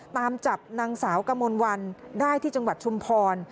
ตามจับนางสาวกมลวันได้ที่จังหวัดชุมพร